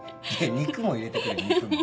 肉も入れてくれよ肉も。